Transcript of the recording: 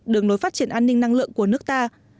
đường lối phát triển an ninh năng lượng của nước ta